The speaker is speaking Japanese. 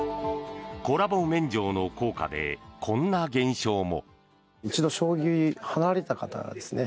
コラボ免状の効果でこんな現象も。